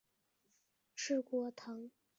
翅果藤为萝藦科翅果藤属下的一个种。